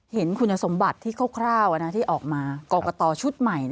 เห็นคุณสมบัติที่คร่าวที่ออกมากรกตชุดใหม่